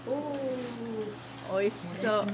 おいしそう。